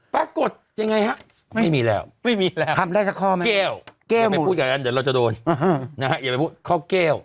ปรากฏยังไงฮะไม่มีแล้วไม่มีแล้วทำได้สักข้อไหมแก้วแก้วอย่าไม่พูดอย่างนั้นเดี๋ยวเราจะโดนนะฮะอย่าไปพูดข้อแก้ว